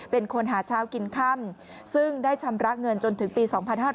เป็นคนหาเช้ากินค่ำซึ่งได้ชำระเงินจนถึงปี๒๕๕๙